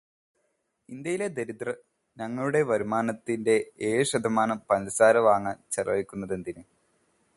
ഇന്ത്യയിലെ ദരിദ്രർ തങ്ങളുടെ വരുമാനത്തിന്റെ ഏഴു ശതമാനം പഞ്ചസാര വാങ്ങാൻ ചെലവഴിക്കുന്നതെന്തിന്?